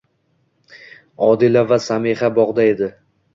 Odila va Samiha bog'da edi.